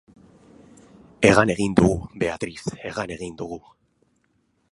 Hegan egin dugu, Beatriz, hegan egin dugu.